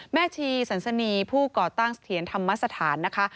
ชีสันสนีผู้ก่อตั้งเสถียรธรรมสถานนะคะ